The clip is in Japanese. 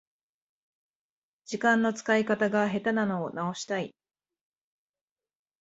時間の使い方が下手なのを直したい